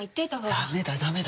ダメだダメだ！